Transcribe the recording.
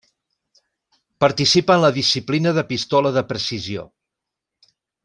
Participa en la disciplina de pistola de precisió.